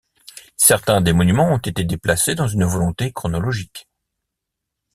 Certains des monuments ont été déplacés dans une volonté chronologique.